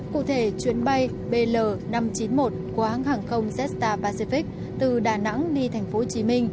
cụ thể chuyến bay bl năm trăm chín mươi một của hãng hàng không jetstar pacific từ đà nẵng đi tp hcm